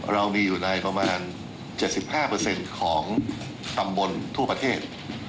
เรามีอยู่ในประมาณ๗๕ของตำบลทั่วประเทศ